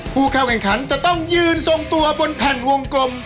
ผู้เข้าเกณฑ์ขำจะต้องยืนส่งตัวบนแผ่นวงกลม